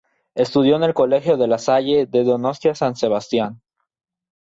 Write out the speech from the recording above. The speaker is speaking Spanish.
Estudió en el colegio de La Salle de Donostia-San Sebastián.